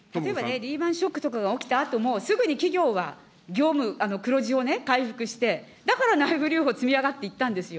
リーマンショックとかが起きたあともすぐに企業は業務、黒字を回復して、だから内部留保、積み上がっていったんですよ。